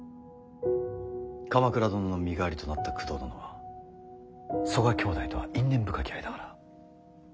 鎌倉殿の身代わりとなった工藤殿は曽我兄弟とは因縁深き間柄。